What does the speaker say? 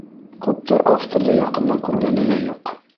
Күптәр авторҙы яҡындан күргәне лә юҡ.